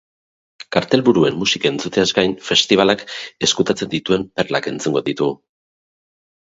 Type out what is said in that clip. Kartel buruen musika entzuteaz gain festibalak ezkutatzen dituen perlak entzungo ditugu.